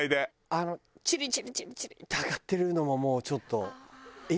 あのチリチリチリチリって揚がってるのももうちょっといいのかも。